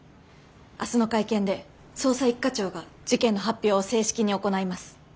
明日の会見で捜査一課長が事件の発表を正式に行います。